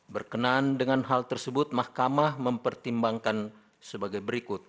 berkenan dengan hal tersebut mahkamah mempertimbangkan sebagai berikut